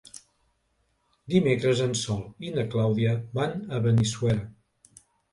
Dimecres en Sol i na Clàudia van a Benissuera.